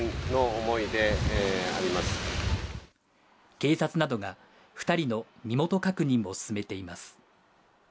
警察などが２人の身元確認を進めています。